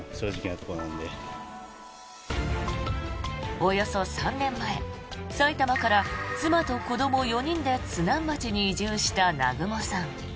およそ３年前埼玉から妻と子ども４人で津南町に移住した南雲さん。